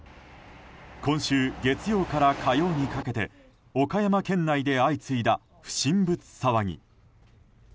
今週月曜から火曜にかけて岡山県内で相次いだ不審物騒ぎ。